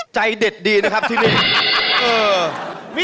ใจเด็ดดีนะครับที่นี่